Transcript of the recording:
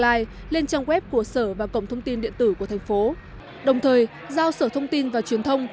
lai lên trang web của sở và cổng thông tin điện tử của tp đồng thời giao sở thông tin và truyền thông